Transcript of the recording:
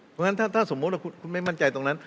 เพราะฉะนั้นถ้าสมมุติว่าคุณไม่มั่นใจตรงนั้น